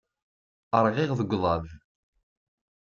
Rɣiɣ deg uḍaḍ.